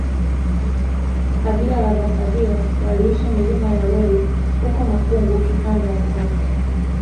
kabila la vasavila waliishi milima ya welu huko Makungu Kihanga ya sasa